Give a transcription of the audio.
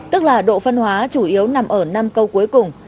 tức là độ phân hóa chủ yếu nằm ở năm câu cuối cùng